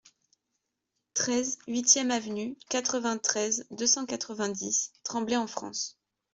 treize huitième Avenue, quatre-vingt-treize, deux cent quatre-vingt-dix, Tremblay-en-France